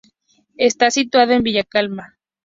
Está situado en Vilcabamba.